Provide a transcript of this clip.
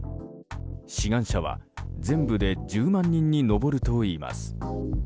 志願者は全部で１０万人に上るといいます。